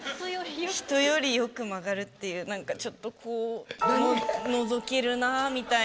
人よりよく曲がるっていう何かちょっとこうのぞけるなみたいな。